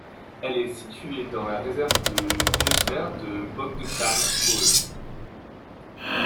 Elle est située dans la réserve de biosphère de Bogd Khan Uul.